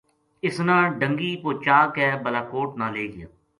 اِ سنا ڈَنگی پوچا کے بالاکوٹ نا لے گیا